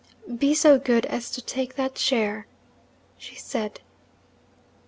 'Be so good as to take that chair,' she said.